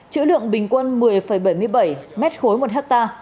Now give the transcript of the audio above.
chữ lượng bình quân một mươi bảy mươi bảy m ba một ha